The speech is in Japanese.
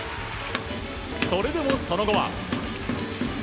それでもその後は。